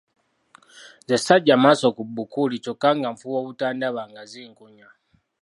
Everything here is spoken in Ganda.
Nze saggya maaso ku Bbuukuuli kyokka nga nfuba obutandaba nga zinkunya.